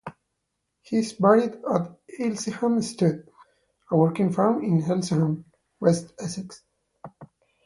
He is buried at Elsenham Stud, a working farm in Elsenham, West Essex.